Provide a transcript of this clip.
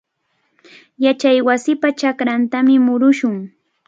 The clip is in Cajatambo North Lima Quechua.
Yachaywasipa chakrantami murushun.